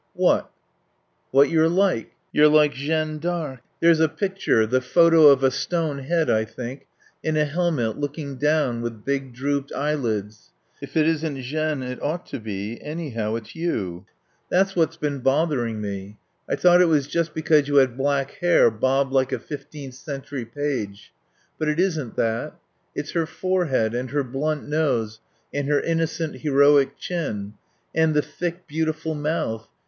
"What?" "What you're like. You're like Jeanne d'Arc.... There's a picture the photo of a stone head, I think in a helmet, looking down, with big drooped eyelids. If it isn't Jeanne it ought to be. Anyhow it's you.... That's what's been bothering me. I thought it was just because you had black hair bobbed like a fifteen century page. But it isn't that. It's her forehead and her blunt nose, and her innocent, heroic chin. And the thick, beautiful mouth....